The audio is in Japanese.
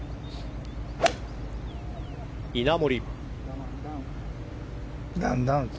稲森。